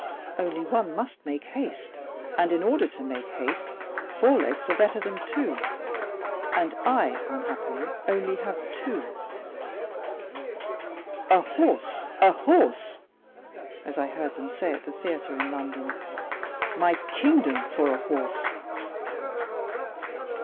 Only one must make haste, and in order to make haste four legs are better than two, and I, unhappily, only have two. 'A horse, a horse,' as I heard them say at the theatre in London, 'my kingdom for a horse!